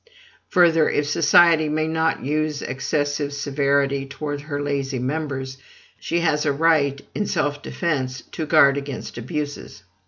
Further, if society may not use excessive severity towards her lazy members, she has a right, in self defence, to guard against abuses.